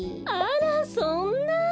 あらそんな。